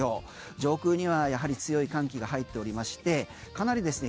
上空には、やはり強い寒気が入っておりましてかなりですね